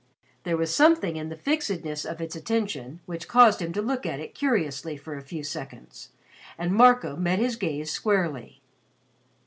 There was something in the fixedness of its attention which caused him to look at it curiously for a few seconds, and Marco met his gaze squarely.